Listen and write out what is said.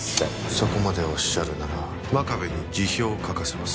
そこまでおっしゃるなら真壁に辞表を書かせます。